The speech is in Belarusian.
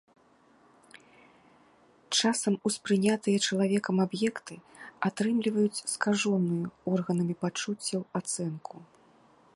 Часам успрынятыя чалавекам аб'екты атрымліваюць скажоную органамі пачуццяў ацэнку.